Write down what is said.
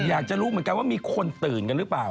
อยากจะรู้เหมือนกันว่ามีคนตื่นกันหรือเปล่า